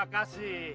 tentu kamu salah